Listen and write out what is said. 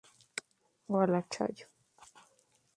El Consejo.